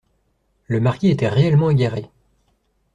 Le marquis était réellement égaré.